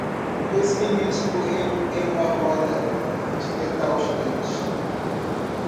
Dois meninos correndo em uma roda de metal gigante.